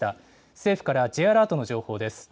政府からＪアラートの情報です。